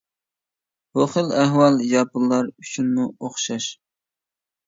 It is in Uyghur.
بۇ خىل ئەھۋال ياپونلار ئۈچۈنمۇ ئوخشاش.